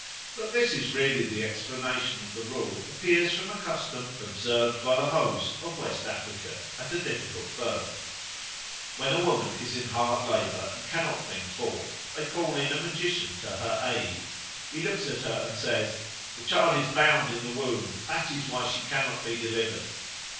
That this is really the explanation of the rule appears from a custom observed by the Hos of West Africa at a difficult birth. When a woman is in hard labour and cannot bring forth, they call in a magician to her aid. He looks at her and says, "The child is bound in the womb, that is why she cannot be delivered."